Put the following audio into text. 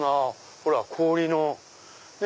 ほら「氷」のね。